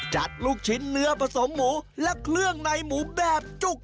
ลูกชิ้นเนื้อผสมหมูและเครื่องในหมูแบบจุก